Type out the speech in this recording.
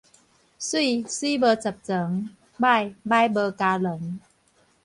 媠，媠無十全，䆀，䆀無加圇